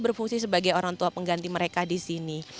berfungsi sebagai orang tua pengganti mereka di sini